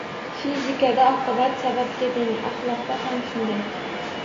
Fizikada oqibat sababga teng. Ahloqda ham shunday.